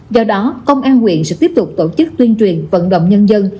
do đó công an quyện sẽ tiếp tục tổ chức tuyên truyền vận động nhân dân